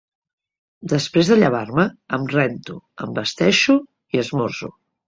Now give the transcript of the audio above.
Després de llevar-me, em rento, em vesteixo i esmorzo.